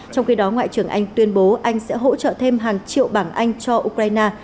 trong khi đó ngoại trưởng anh tuyên bố anh sẽ hỗ trợ thêm hàng triệu bảng anh cho ukraine